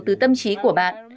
từ tâm trí của bạn